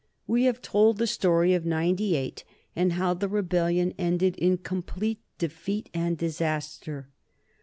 We have told the story of '98, and how the rebellion ended in complete defeat and disaster.